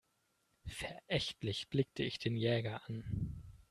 Verächtlich blickte ich den Jäger an.